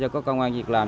để cho có công an việc làm